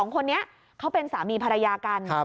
๒คนนี้เขาเป็นสามีภรรยากัน